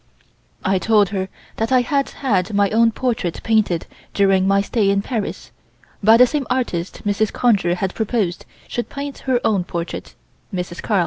I told her that I had had my own portrait painted during my stay in Paris, by the same artist Mrs. Conger had proposed should paint her own portrait (Miss Carl).